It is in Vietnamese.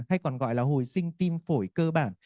hay còn gọi là hồi sinh tim phổi cơ bản